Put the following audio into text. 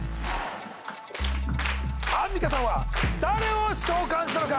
アンミカさんは誰を召喚したのか？